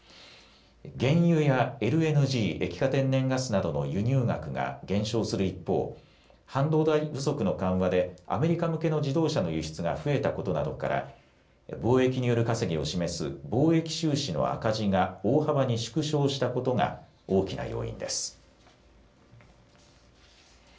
原油やＬＮＧ・液化天然ガスなどの輸入額が減少する一方、半導体不足の緩和でアメリカ向けの自動車の輸出が増えたことなどから貿易による稼ぎを示す貿易収支の赤字が大幅に縮小したことが大きな要因です。